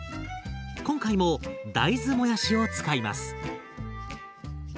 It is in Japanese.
今回も大豆もやしを使います。